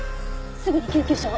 すぐに救急車を。